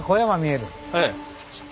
ええ。